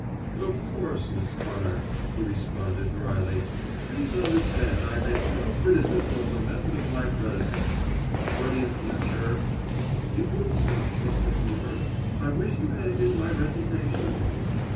"Of course, Miss Connor," he responded drily. "Please understand I make no criticism of the method of my predecessor. But in future " "It will stop, Mr. Cleever. I wish to hand in my resignation."